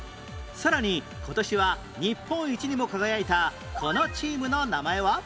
さらに今年は日本一にも輝いたこのチームの名前は？